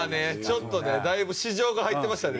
ちょっとねだいぶ私情が入ってましたね。